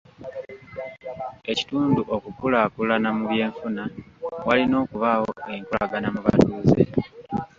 Ekitundu okukulaakulana mu by'enfuna, walina okubaawo enkolagana mu batuuze.